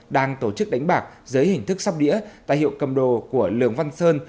đang tổ chức đánh bạc dưới hình thức sóc đĩa tại hiệu cầm đồ của lường văn sơn